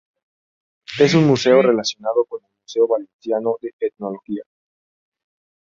Es un museo relacionado con el Museo Valenciano de Etnología.